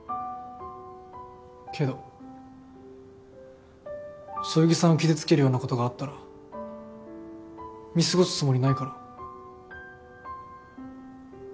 けどそよぎさんを傷つけるような事があったら見過ごすつもりないから。